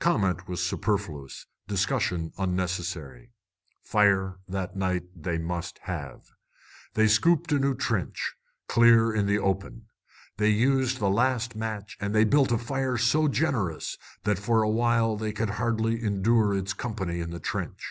Comment was superfluous, discussion unnecessary. Fire, that night, they must have. They scooped a new trench, clear in the open. They used the last match, and they built a fire so generous that for a while they could hardly endure its company in the trench.